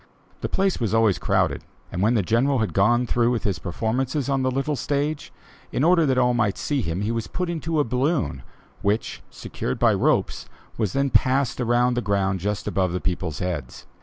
The place was always crowded, and when the General had gone through with his performances on the little stage, in order that all might see him he was put into a balloon which, secured by ropes, was then passed around the ground just above the people's heads.